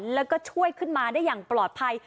แล้วก็ช่วยขึ้นมาได้อย่างปลอดภัย